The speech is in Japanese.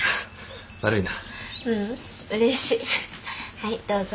はいどうぞ。